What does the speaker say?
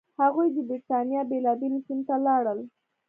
هغوی د برېټانیا بېلابېلو سیمو ته لاړل.